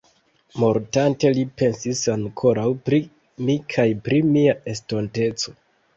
Mortante, li pensis ankoraŭ pri mi kaj pri mia estonteco.